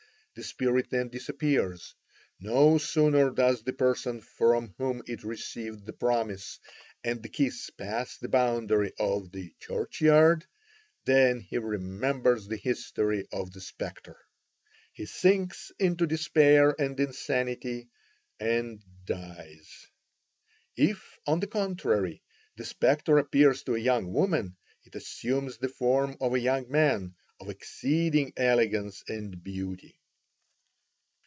The spirit then disappears. No sooner does the person from whom it received the promise and the kiss pass the boundary of the churchyard than he remembers the history of the spectre. He sinks into despair and insanity and dies. If, on the contrary, the spectre appears to a young woman, it assumes the form of a young man of exceeding elegance and beauty."